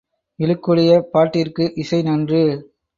இழுக்குடைய பாட்டிற்கு இசை நன்று.